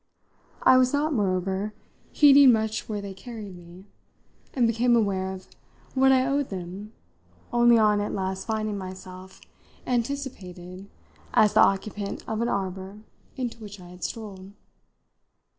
I was not, moreover, heeding much where they carried me, and became aware of what I owed them only on at last finding myself anticipated as the occupant of an arbour into which I had strolled.